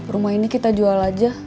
rumah ini kita jual aja